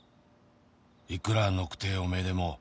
「いくらのくてぇおめえでも」